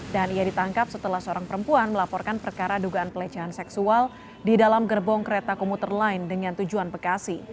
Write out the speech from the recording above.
dan ia ditangkap setelah seorang perempuan melaporkan perkara dugaan pelecehan seksual di dalam gerbong kereta komuter line dengan tujuan bekasi